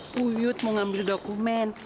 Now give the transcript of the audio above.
wuyut mau ngambil dokumen